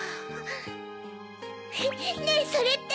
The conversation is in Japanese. ねぇそれって。